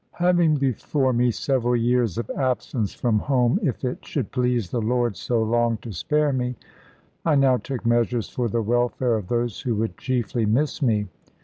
Having before me several years of absence from home, if it should please the Lord so long to spare me, I now took measures for the welfare of those who would chiefly miss me.